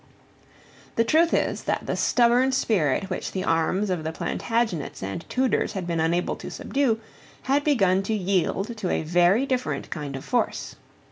The truth is that the stubborn spirit which the arms of the Plantagenets and Tudors had been unable to subdue had begun to yield to a very different kind of force.